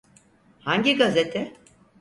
Hangi gazete?